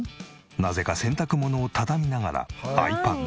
なぜか洗濯物を畳みながらｉＰａｄ。